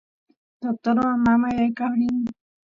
doctorman mamay aykaf rin